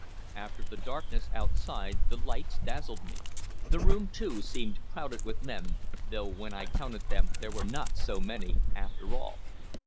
After the darkness outside the lights dazzled me; the room, too, seemed crowded with men, though when I counted them there were not so many, after all.